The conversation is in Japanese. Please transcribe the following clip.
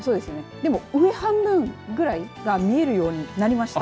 でも上半分ぐらいが見えるようになりました。